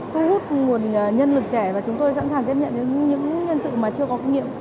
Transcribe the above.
thu hút nguồn nhân lực trẻ và chúng tôi sẵn sàng tiếp nhận những nhân sự mà chưa có kinh nghiệm